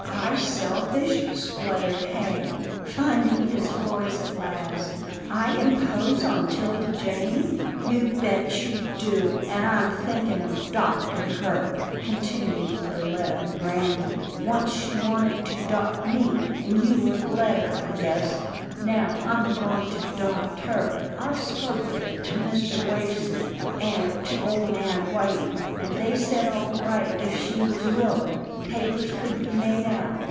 " I selfish," spluttered Hank, finding his voice at last, " I impose on 'Tilda Jane! "" You bet you do, an' I'm thinkin' of 'doptin' her," continued Perletta grandly, " once she wanted to 'dopt me, an' you wouldn't let her, I guess. Now I'm a goin' to 'dopt her. I've spoke of it to Mr. Waysmith, an' to ole man Whiting, an' they said all right, if she was willin'. Papers could be made out.